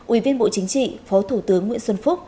ủy viên bộ chính trị phó thủ tướng nguyễn xuân phúc